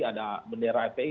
ada bendera fpi